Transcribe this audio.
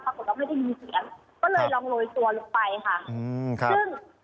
ปรากฏว่าไม่ได้ยินเสียงก็เลยลองโรยตัวลงไปค่ะอืมซึ่ง